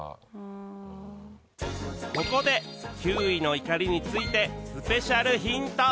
ここで９位の怒りについてスペシャルヒント！